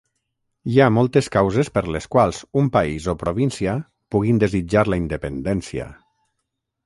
Hi ha moltes causes per les quals un país o província puguin desitjar la independència.